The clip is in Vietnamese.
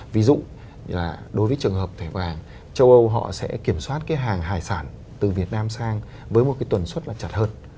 ví dụ đối với trường hợp thẻ vàng châu âu họ sẽ kiểm soát cái hàng hải sản từ việt nam sang với một cái tuần suất là chặt hơn